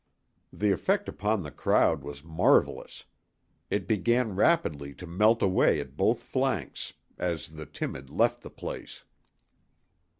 The effect upon the crowd was marvelous. It began rapidly to melt away at both flanks, as the timid left the place.